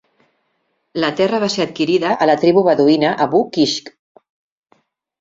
La terra va ser adquirida a la tribu beduïna Abou Kishk.